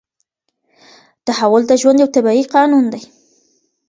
تحول د ژوند یو طبیعي قانون دی.